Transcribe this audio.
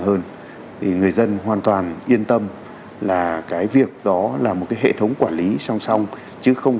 hơn thì người dân hoàn toàn yên tâm là cái việc đó là một cái hệ thống quản lý song song chứ không